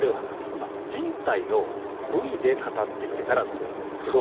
まあ人体の部位で語っていけたらと思うんですけど。